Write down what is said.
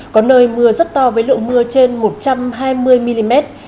có nơi mưa rất to với lượng mưa trên một trăm hai mươi mm